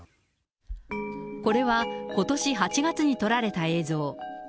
これは、ことし８月に撮られた映像。